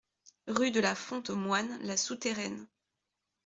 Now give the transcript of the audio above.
Rue de la Font aux Moines, La Souterraine